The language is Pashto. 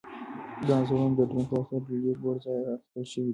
دا انځورونه د ډرون په واسطه له ډېر لوړ ځایه اخیستل شوي دي.